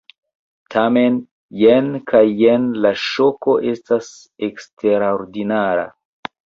Tamen jen kaj jen la ŝoko estas eksterordinara.